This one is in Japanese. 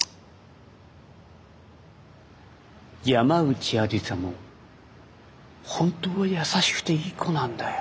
山内愛理沙も本当は優しくていい子なんだよ。